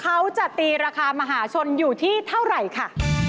เขาจะตีราคามหาชนอยู่ที่เท่าไหร่ค่ะ